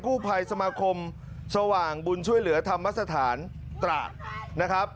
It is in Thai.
ภัยสมาคมสว่างบุญช่วยเหลือธรรมสถานตราดนะครับ